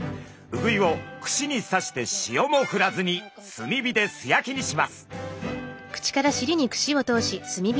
ウグイを串に刺して塩もふらずに炭火で素焼きにします。